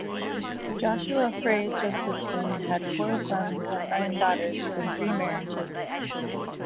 Joshua Frey Josephson had four sons and nine daughters from three marriages.